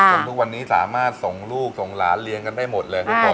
ทุกวันนี้สามารถส่งลูกส่งหลานเลี้ยงกันได้หมดเลยทุกคน